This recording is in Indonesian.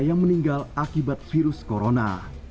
yang meninggal akibat virus corona